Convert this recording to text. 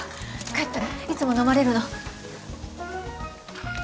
帰ったらいつも飲まれるの。